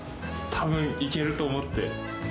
たぶんいけると思って。